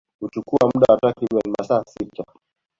Huchukua muda wa takribani masaa sita